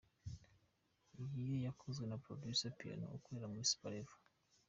Iyi yo yakozwe na producer Piano ukorera muri super level.